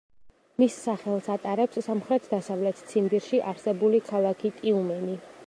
მის სახელს ატარებს სამხრეთ-დასავლეთ ციმბირში არსებული ქალაქი ტიუმენი.